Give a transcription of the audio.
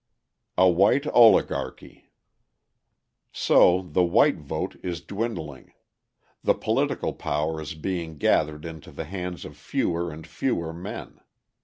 A White Oligarchy So the white vote is dwindling; the political power is being gathered into the hands of fewer and fewer men.